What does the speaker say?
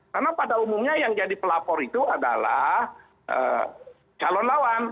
karena pada umumnya yang jadi pelapor itu adalah calon lawan